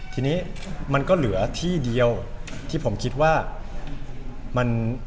ทีนี้มันก็เหลือที่เดียวที่ผมคิดว่ามัน